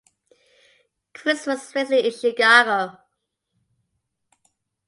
Cruz was raised in Chicago.